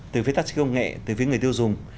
từ phía taxi công nghệ từ phía người tiêu dùng